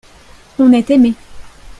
on est aimé.